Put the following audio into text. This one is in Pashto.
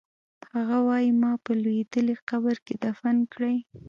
هغه وایی ما په لوېدلي قبر کې دفن کړئ